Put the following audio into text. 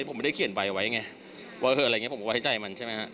ผมไม่ได้เขียนใบไว้ไงว่าเธออะไรอย่างนี้ผมก็ไว้ใจมันใช่ไหมฮะ